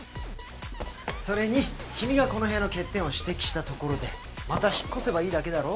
それに君がこの部屋の欠点を指摘したところでまた引っ越せばいいだけだろ？